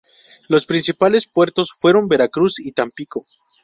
Los principales puertos fueron Veracruz y Tampico.